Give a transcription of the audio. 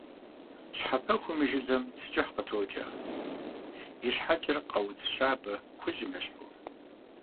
Щхьэпэхум и жылэм цы кӀыхь къытокӀэ, и щхьэкӀэр «къауц» щабэ хужьым ещхьу.